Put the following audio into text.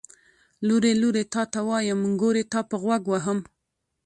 ـ لورې لورې تاته ويم، نګورې تاپه غوږ وهم.